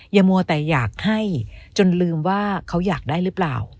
อย่ามัวแต่อยากให้จนลืมว่าเขาอยากได้หรือเปล่า